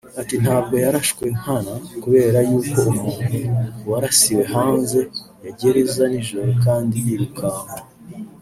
Ati “Ntabwo yarashwe nkana kubera y’ uko umuntu warasiwe hanze ya gereza nijoro kandi yirukanka